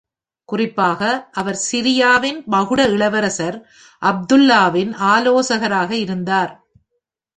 குறிப்பாக, அவர் சிரியாவின் மகுட இளவரசர் அப்துல்லாவின் ஆலோசகராக இருந்தார்.